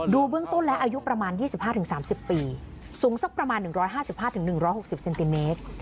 ดูเบื้องต้นและอายุประมาณยี่สิบห้าถึงสามสิบปีสูงสักประมาณหนึ่งร้อยห้าสิบห้าถึงหนึ่งร้อยหกสิบเซนติเมตร